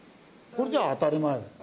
これじゃ当たり前だよ。